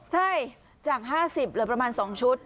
ใช่จาก๕๐เหลือประมาณ๒ชุด